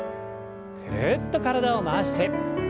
ぐるっと体を回して。